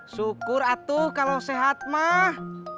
syukur atuh kalau sehat mah